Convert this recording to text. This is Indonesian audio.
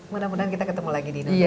mudah mudahan kita ketemu lagi di nevis ya